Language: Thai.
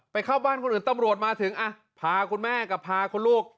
เข้าบ้านคนอื่นตำรวจมาถึงพาคุณแม่กับพาคุณลูก